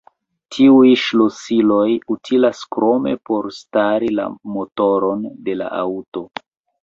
Tiuj ŝlosiloj utilas krome por starti la motoron de la aŭto.